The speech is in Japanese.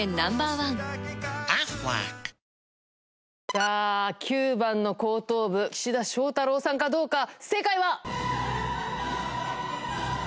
さぁ９番の後頭部岸田翔太郎さんかどうか正解は？